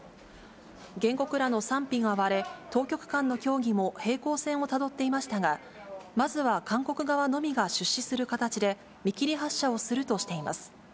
原告らの賛否が割れ、当局間の協議も平行線をたどっていましたが、まずは韓国側のみが出資する形で、見切り発車をするとしています。